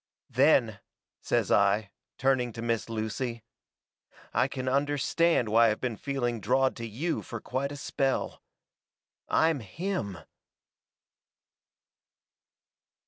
"Then," says I, turning to Miss Lucy, "I can understand why I have been feeling drawed to YOU fur quite a spell. I'm him."